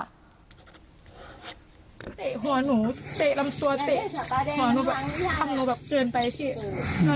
เตะหัวหนูเตะลำตัวเตะหัวหนูแบบทำหนูแบบเกินไปพี่